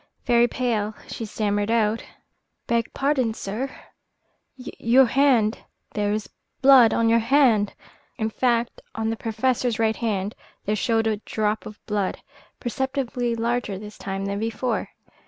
Very pale, she stammered out: "Beg pardon, sir, your hand there is blood upon your hand." In fact, on the Professor's right hand there showed a drop of blood, perceptibly larger this time than before.